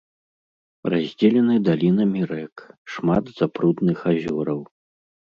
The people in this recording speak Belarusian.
Раздзелены далінамі рэк, шмат запрудных азёраў.